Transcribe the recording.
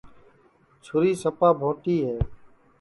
چھُری سپا بھونٚٹی ہے